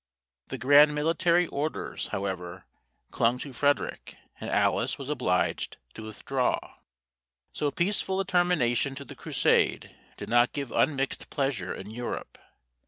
The grand military orders, however, clung to Frederic, and Alice was obliged to withdraw. So peaceful a termination to the Crusade did not give unmixed pleasure in Europe.